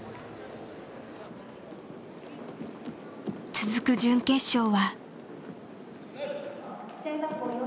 続く準決勝は。